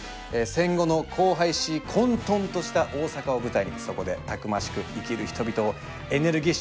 戦後の荒廃し混沌とした大阪を舞台にそこでたくましく生きる人々をエネルギッシュに描く意欲作です。